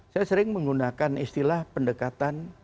saya sering menggunakan istilah pendekatan